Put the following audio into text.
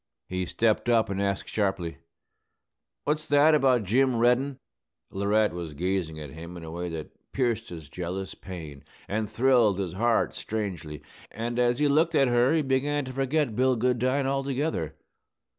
He stepped up and asked sharply, "What's that about Jim Reddin?" Laurette was gazing at him in a way that pierced his jealous pain and thrilled his heart strangely; and as he looked at her he began to forget Bill Goodine altogether.